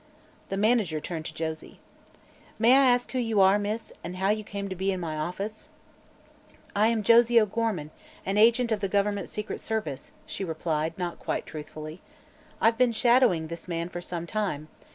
The manager turned to Josie. "May I ask who you are, Miss, and how you came to be in my office?" "I am Josie O'Gorman, an agent of the government secret service," she replied, not quite truthfully. "I've been shadowing this man for some time.